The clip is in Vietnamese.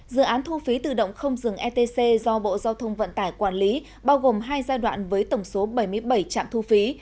dự án thu phí tự động không dừng etc do bộ giao thông vận tải quản lý bao gồm hai giai đoạn với tổng số bảy mươi bảy trạm thu phí